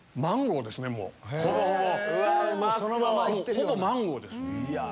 ほぼマンゴーです。